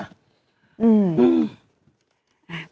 อืม